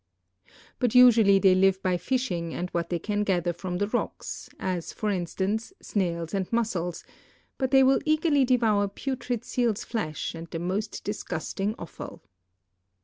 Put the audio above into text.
But usually they live by fishing and what they can gather from the rocks, as, for instance, snails and mussels, but they will eagerly devour putrid seal's Hesh and the most disgusting offal.